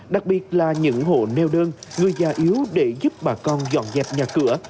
đặc biệt là những hộ neo đơn người già yếu để giúp bà con dọn dẹp nhà cửa